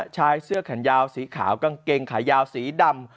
ชายเสื้อแขนยาวสีขาวกางเกงขายาวสีดำ